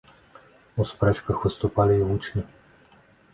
У спрэчках выступалі й вучні.